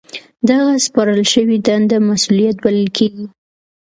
دغه سپارل شوې دنده مسؤلیت بلل کیږي.